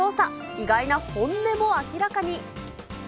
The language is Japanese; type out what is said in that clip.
意外な本音も明らかに。